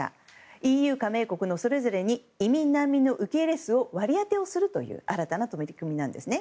ＥＵ加盟国のそれぞれに移民・難民の受け入れ数を割り当てをするという新たな取り組みなんですね。